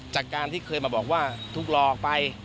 จากการที่เคยมาบอกว่าถูกหลอกไป